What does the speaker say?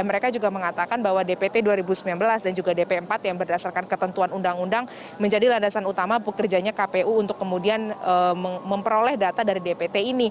mereka juga mengatakan bahwa dpt dua ribu sembilan belas dan juga dp empat yang berdasarkan ketentuan undang undang menjadi landasan utama bekerjanya kpu untuk kemudian memperoleh data dari dpt ini